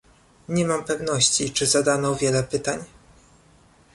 Nie mam pewności, czy zadano wiele pytań